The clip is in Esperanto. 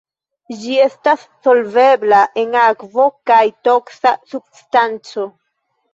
Ĝi estas solvebla en akvo kaj toksa substanco.